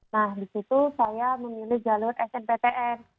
nah di situ saya memilih jalur snptn